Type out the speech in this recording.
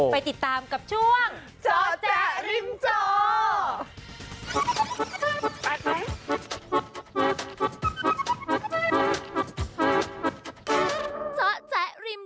ไปติดตามกับช่วงเจาะแจ๊ริมจอ